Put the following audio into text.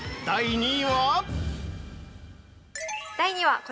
第２位は？